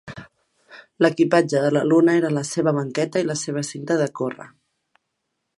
L'equipatge de la Luna era la seva banqueta i la seva cinta de córrer.